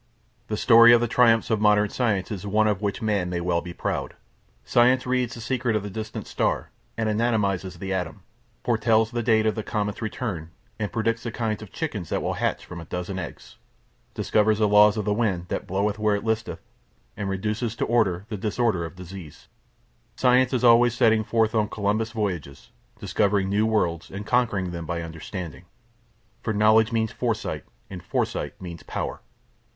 The story of the triumphs of modern science is one of which Man may well be proud. Science reads the secret of the distant star and anatomises the atom; foretells the date of the comet's return and predicts the kinds of chickens that will hatch from a dozen eggs; discovers the laws of the wind that bloweth where it listeth and reduces to order the disorder of disease. Science is always setting forth on Columbus voyages, discovering new worlds and conquering them by understanding. For Knowledge means Foresight and Foresight means Power.